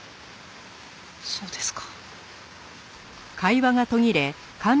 そうですか。